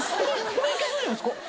海いけそうじゃないですか？